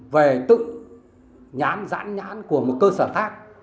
về tự nhắn dãn nhắn của một cơ sở khác